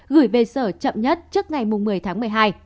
gửi về sở chậm nhất trước ngày một mươi tháng một mươi hai